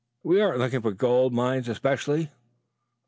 We aren't looking for gold mines especially.